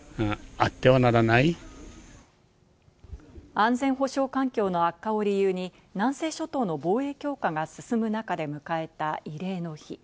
安全保障環境の悪化を理由に南西諸島の防衛強化が進む中で迎えた慰霊の日。